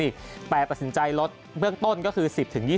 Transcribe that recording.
และทีมงานฝ่ายเทคนิคแต่ตัดสินใจลดเบื้องต้นก็คือ๑๐๒๐